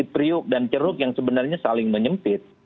priuk dan ceruk yang sebenarnya saling menyempit